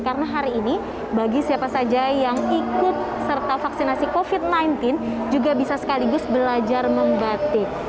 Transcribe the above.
karena hari ini bagi siapa saja yang ikut serta vaksinasi covid sembilan belas juga bisa sekaligus belajar membatik